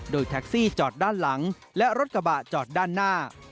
โดยแท็กซี่จอดด้านหลังและรถกระบะจอดด้านหน้า